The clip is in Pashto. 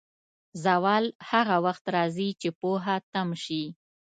زوال هغه وخت راځي، چې پوهه تم شي.